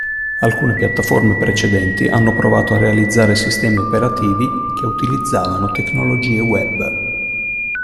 Alcune piattaforme precedenti hanno provato a realizzare sistemi operativi che utilizzavano tecnologie web.